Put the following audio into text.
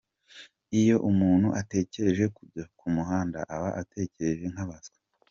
Iyo umuntu atekereje kujya ku muhanda aba atekereje nk’abaswa.